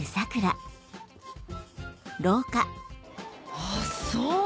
あっそう！